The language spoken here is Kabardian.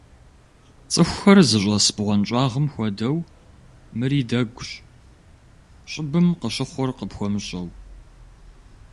ЦӀыхухэр зыщӀэс бгъуэнщӀагъым хуэдэу, мыри дэгущ, щӀыбым къыщыхъур къыпхуэмыщӀэу.